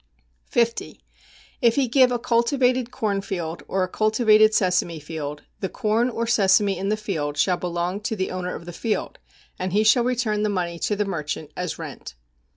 50. If he give a cultivated corn field or a cultivated sesame field, the corn or sesame in the field shall belong to the owner of the field, and he shall return the money to the merchant as rent.